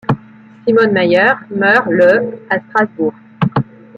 Simone Mayer meurt le à Strasbourg.